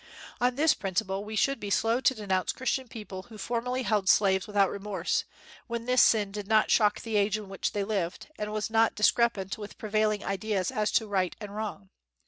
On this principle we should be slow to denounce Christian people who formerly held slaves without remorse, when this sin did not shock the age in which they lived, and was not discrepant with prevailing ideas as to right and wrong.